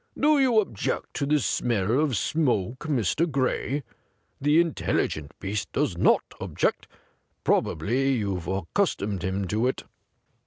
Do you object to the smell of smoke, Mr. Gray ? The intelligent beast does not object. Probably you've accustomed him to it.'